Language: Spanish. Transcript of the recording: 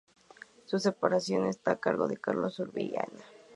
Su preparación está a cargo de Carlos Urbina.